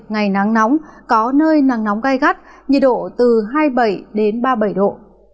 ngày nắng nóng có nơi nắng nóng gai gắt nhiệt độ từ hai mươi bảy ba mươi bảy độ